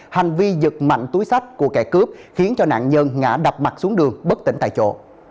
hành vi giật mạnh túi sách của kẻ cướp khiến cho nạn nhân ngã đập mặt xuống đường bất tỉnh tại chỗ